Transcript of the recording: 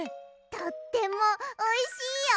とってもおいしいよ。